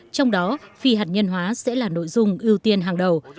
trong đó phi hạt nhân hóa sẽ là nội dung ưu tiên hàng đầu